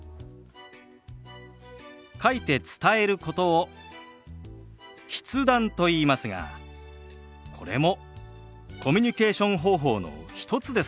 書いて伝えることを「筆談」といいますがこれもコミュニケーション方法の一つですから。